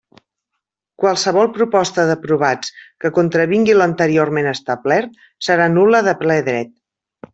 Qualsevol proposta d'aprovats que contravingui l'anteriorment establert serà nul·la de ple dret.